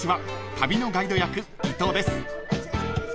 旅のガイド役伊藤です］